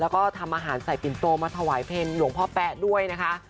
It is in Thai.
แล้วก็ทำอาหารใส่ปิ่นโตมาถวายเพลงหลวงพ่อแป๊ะด้วยนะคะ